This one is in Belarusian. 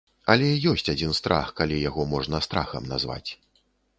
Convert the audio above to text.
Але ёсць адзін страх, калі яго можна страхам назваць.